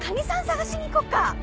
探しに行こっか！